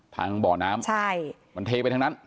ทางเบาะน้ำมันเทไปทางนั้น